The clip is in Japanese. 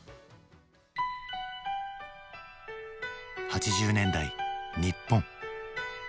８０年代日本。